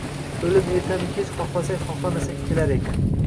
Oʻlim ertami kech xohlasak xohlamasak kelar ekan.